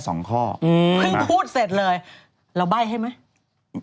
เพิ่งพูดเสร็จเลยเราใบ้ให้ไหม